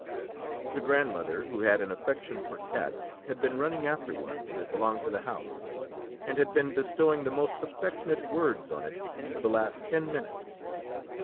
The grandmother, who had an affection for cats, had been running after one that belonged to the house, and had been bestowing the most affectionate words on it, for the last ten minutes.